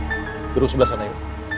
duduk sebelah sana yuk